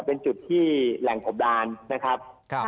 เป็นจุดที่แหล่งกบดานนะครับ